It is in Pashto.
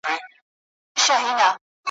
په سلګونو یې لرلې له کوترو ,